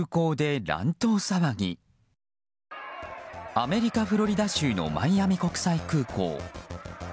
アメリカ・フロリダ州のマイアミ国際空港。